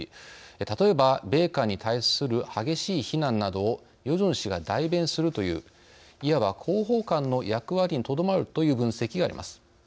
例えば米韓に対する激しい非難などをヨジョン氏が代弁するといういわば広報官の役割にとどまるという分析があります。